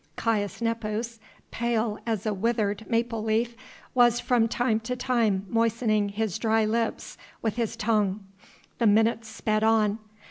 Caius Nepos, pale as a withered maple leaf, was from time to time moistening his dry lips with his tongue. The minutes sped on.